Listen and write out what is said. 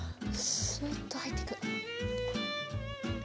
スーッと入っていく。